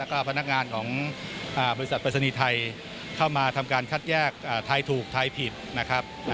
และก็พนักงานของบริษัทอาวาสานีทัยเข้ามาทำการคัดแยกคัดที่ถูกหรือผิดนะครับ